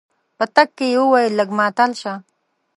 په تګ کې يې وويل لږ ماتل شه.